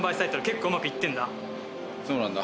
そうなんだ。